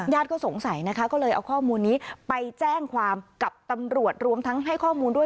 ก็สงสัยนะคะก็เลยเอาข้อมูลนี้ไปแจ้งความกับตำรวจรวมทั้งให้ข้อมูลด้วย